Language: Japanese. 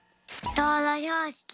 どうろひょうしき。